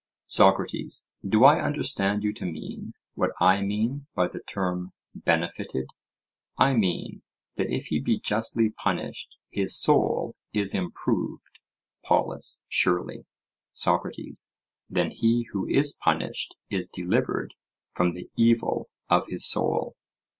SOCRATES: Do I understand you to mean what I mean by the term "benefited"? I mean, that if he be justly punished his soul is improved. POLUS: Surely. SOCRATES: Then he who is punished is delivered from the evil of his soul?